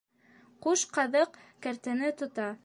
Ҡуш ҡаҙыҡ кәртәне тота.